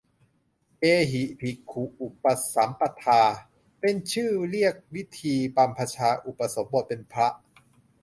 เอหิภิกขุอุปสัมปทา เป็นชื่อเรียกวิธีบรรพชาอุปสมบทเป็นพระ